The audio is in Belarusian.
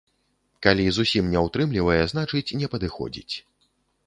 Калі зусім не ўтрымлівае, значыць не падыходзіць.